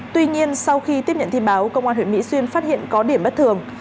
tuy nhiên sau khi tiếp nhận tin báo công an huyện mỹ xuyên phát hiện có điểm bất thường